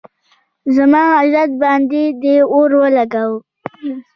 زما عزت باندې دې اور ولږاونه